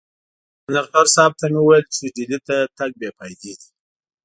غضنفر صاحب ته مې وويل چې ډهلي ته تګ بې فايدې دی.